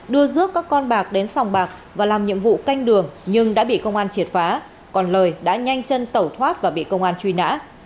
đưa rước các con bạc đến sòng bạc và làm nhiệm vụ canh đường nhưng đã bị công an triệt phá còn lời đã nhanh chân tẩu thoát và bị công an truy nã